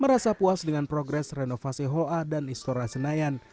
merasa puas dengan progres renovasi hoa dan istora senayan